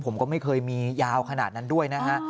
ผมก็ไม่เคยมียาวขนาดนั้นด้วยนะฮะ